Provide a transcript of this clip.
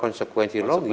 konsekuensi logis ya